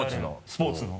スポーツの。